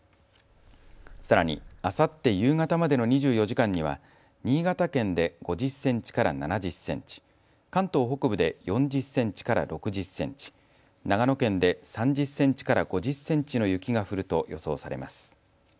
さらにあさって夕方までの２４時間には新潟県で５０センチから７０センチ、関東北部で４０センチから６０センチ、長野県で３０センチから５０センチの雪が降ると予想されます。